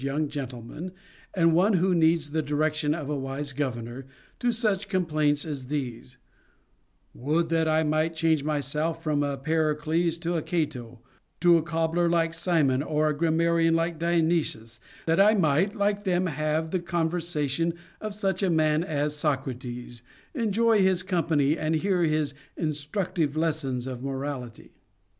3 69 gentleman, and one who needs the direction of a wise gov ernor, to such complaints as these :" Would that I might change myself from a Pericles or a Cato to a cobbler like Simon or a grammarian like Dionysius, that I might like them have the conversation of such a man as Socrates, enjoy his company, and hear his instructive lessons of morality."